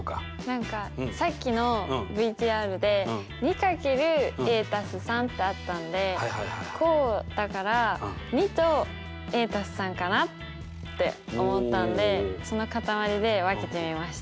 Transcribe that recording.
何かさっきのＶＴＲで２ってあったんで項だから２とかなって思ったんでその塊で分けてみました。